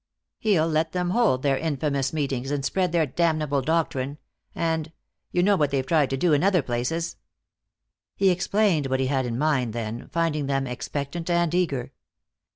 He'll let them hold their infamous meetings and spread their damnable doctrine, and you know what they've tried to do in other places." He explained what he had in mind then, finding them expectant and eager.